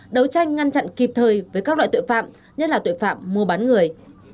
đấu tranh ngăn chặn kịp thời với các loại tội phạm nhất là tội phạm mua bán người